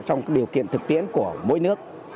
trong điều kiện thực tiễn của mỗi nước